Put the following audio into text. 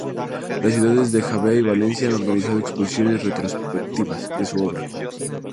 Las ciudades de Jávea y Valencia han organizado exposiciones retrospectivas de su obra.